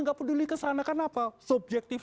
nggak peduli kesana karena apa subjektif